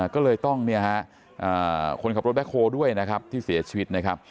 ก็เลยต้องคนขับรถแบ็คโฮด้วยนะครับที่เสียชีวิตนะครับ